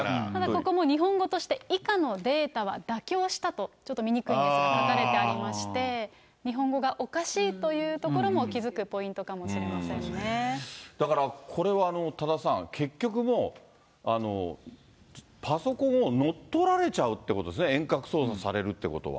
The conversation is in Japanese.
ここも日本語として、以下のデータは妥協したと、ちょっと見にくいんですが、書かれてありまして、日本語がおかしいというところも気付くポイントかもだから、これは多田さん、結局もう、パソコンを乗っ取られちゃうということですね、遠隔操作されるっ